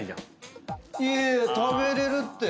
いやいや食べれるって！